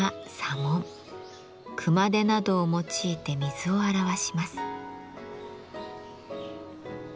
熊手などを用いて水を表します。